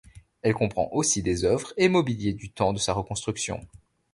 Elle comprend aussi des œuvres et mobilier du temps de sa reconstruction.